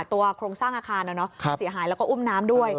โครงสร้างอาคารเสียหายแล้วก็อุ้มน้ำด้วย